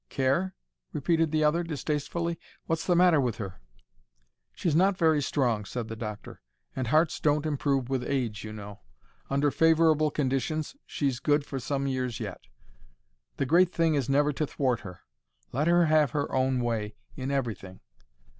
"Care?" repeated the other, distastefully. "What's the matter with her?" "She's not very strong," said the doctor; "and hearts don't improve with age, you know. Under favourable conditions she's good for some years yet. The great thing is never to thwart her. Let her have her own way in everything."